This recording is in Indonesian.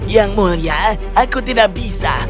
yang mulia aku tidak bisa